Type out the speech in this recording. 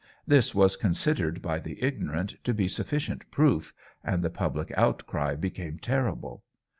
This was considered by the ignorant to be sufficient proof, and the public outcry became terrible.